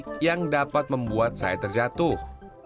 kuda panik yang dapat membuat saya terjatuh